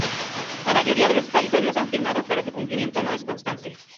La mayoría de los países los han firmado, pero su cumplimiento no es constante.